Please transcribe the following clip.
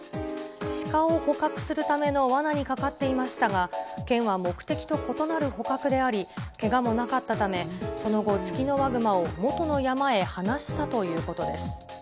シカを捕獲するためのわなにかかっていましたが、県は目的と異なる捕獲であり、けがもなかったため、その後、ツキノワグマを元の山へ放したということです。